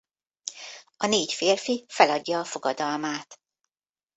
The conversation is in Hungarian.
A négy férfi feladja a fogadalmát.